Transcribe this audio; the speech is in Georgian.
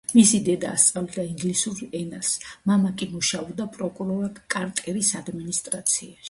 მისი დედა ასწავლიდა ინგლისურ ენას, მამა კი მუშაობდა პროკურორად კარტერის ადმინისტრაციაში.